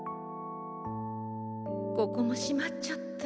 ここもしまっちゃった。